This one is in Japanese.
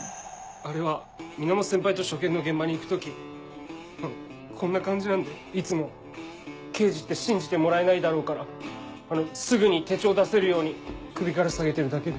あれは源先輩と初見の現場に行く時こんな感じなんでいつも刑事って信じてもらえないだろうからすぐに手帳を出せるように首から下げてるだけで。